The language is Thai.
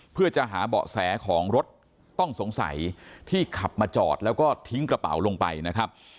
เพื่อจะหาเบาะแสของรถต้องสงสัยที่ขับมาจอดแล้วก็ทิ้งกระเป๋าลงไปนะครับ